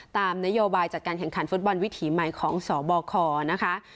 ตามนโยบายจัดการแข่งขันฟุตบอลวิถีใหม่ของสบคนะคะ